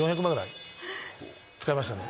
使いましたね。